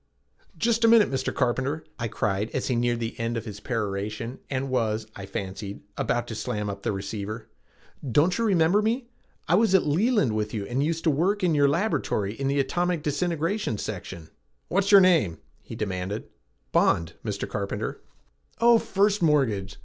"Just a minute, Mr. Carpenter," I cried as he neared the end of his peroration and was, I fancied, about to slam up the receiver. "Don't you remember me? I was at Leland with you and used to work in your laboratory in the atomic disintegration section." "What's your name?" he demanded. "Bond, Mr. Carpenter." "Oh, First Mortgage!